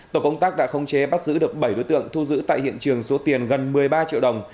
tổ công tác đã không chế bắt giữ được bảy đối tượng thu giữ tại hiện trường số tiền gần một mươi ba triệu đồng